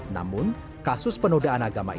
namun kasus penodaan agama ini bukan yang terjadi